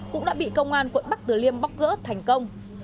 cũng đã bị công an quận bắc tử liêm bóc gỡ thành công